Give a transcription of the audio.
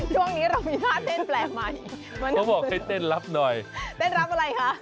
ช่วงนี้เรามีท่าเต้นแปลกใหม่เขาบอกให้เต้นรับหน่อยเต้นรับอะไรคะ